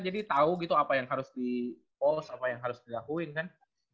jadi tau gitu apa yang harus di post apa yang harus dilakuin kan